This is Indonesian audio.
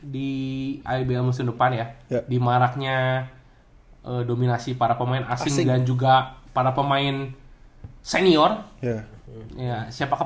di ibl musim depan ya di maraknya dominasi para pemain asing dan juga para pemain senior ya siapakah